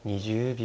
２０秒。